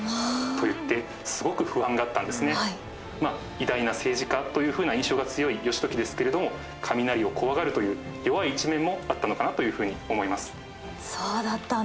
偉大な政治家というふうな印象が強い義時ですけれどもカミナリを怖がるという弱い一面もあったのかなというふうに思います。